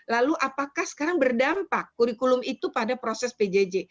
lalu apakah sekarang berdampak kurikulum itu pada proses pjj